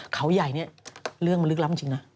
เขาใหญ่เนี่ยเรื่องมันลึกล้ำจริงนะ